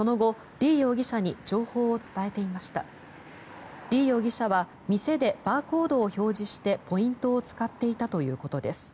リ容疑者は店でバーコードを表示してポイントを使っていたということです。